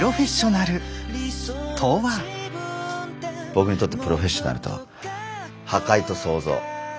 僕にとってプロフェッショナルとは「破壊と創造」。